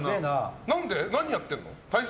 何やってるの？